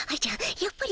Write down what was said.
やっぱり！